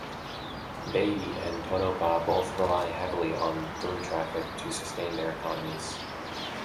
Beatty and Tonopah both rely heavily on through traffic to sustain their economies.